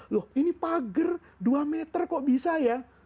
loh ini pager dua meter kok bisa ya